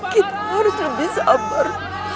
kita harus lebih sabar